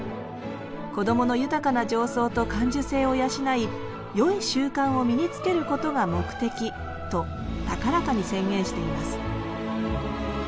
こどもの豊かな情操と感受性を養いよい習慣を身につけることが目的」と高らかに宣言しています